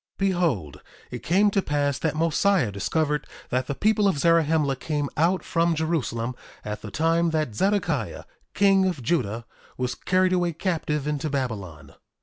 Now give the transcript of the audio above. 1:15 Behold, it came to pass that Mosiah discovered that the people of Zarahemla came out from Jerusalem at the time that Zedekiah, king of Judah, was carried away captive into Babylon.